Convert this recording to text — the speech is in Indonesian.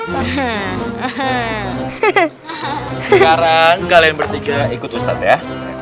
hahaha sekarang kalian bertiga ikut ustadz ya